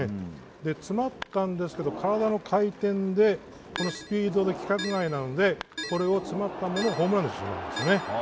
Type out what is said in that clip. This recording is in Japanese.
詰まったんですけど、体の回転でスライダーで規格外なので詰まったものをホームランにしたんですね。